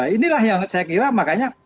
inilah yang saya kira makanya